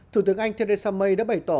thủ tướng anh theresa may đã bày tỏ